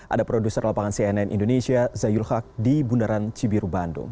ada produser lapangan cnn indonesia zayul haq di bundaran cibiru bandung